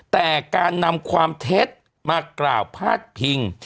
แต่การนำความเท็จมากล่าวพาดพิง